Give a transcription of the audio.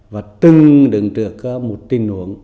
và từng đường trượt một tình huống